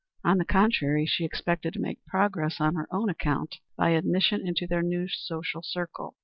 On the contrary, she expected to make progress on her own account by admission into their new social circle.